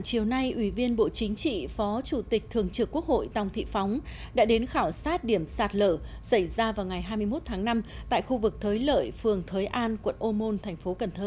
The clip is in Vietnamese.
chiều nay ủy viên bộ chính trị phó chủ tịch thường trực quốc hội tòng thị phóng đã đến khảo sát điểm sạt lở xảy ra vào ngày hai mươi một tháng năm tại khu vực thới lợi phường thới an quận ô môn thành phố cần thơ